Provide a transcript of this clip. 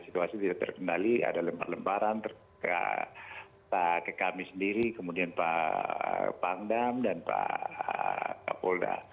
situasi tidak terkendali ada lempar lemparan ke kami sendiri kemudian pak pangdam dan pak kapolda